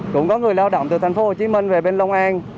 cũng có người lao động từ tp hcm về bên long an